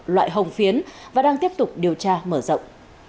loại hồng phiến và đang tiếp tục điều tra mở rộng